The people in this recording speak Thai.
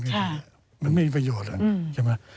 มันไม่มีประโยชน์